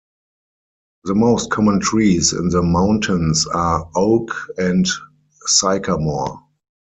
The most common trees in the mountains are oak and sycamore.